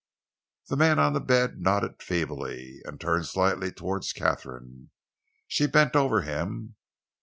The man on the bed nodded feebly and turned slightly towards Katharine. She bent over him.